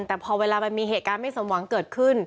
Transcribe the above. แต่พอเวลามันมีเหตุการณ์ไม่สมหวังเกิดขึ้น